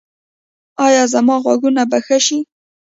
ایا زما غوږونه به ښه شي؟